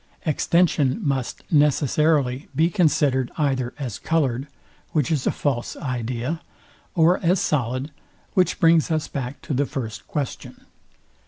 Extension must necessarily be considered either as coloured, which is a false idea; I or as solid, which brings us back to the first question.